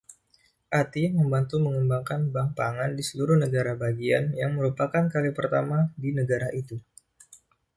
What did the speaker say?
Atiyeh membantu mengembangkan bank pangan di seluruh negara bagian, yang merupakan kali pertama di negara itu.